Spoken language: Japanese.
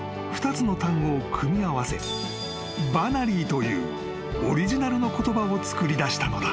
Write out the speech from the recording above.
２つの単語を組み合わせバナリーというオリジナルの言葉を作り出したのだ］